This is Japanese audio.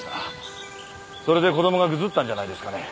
それで子供がぐずったんじゃないですかね。